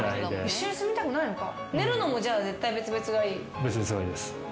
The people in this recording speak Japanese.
一緒に住みたくないのか。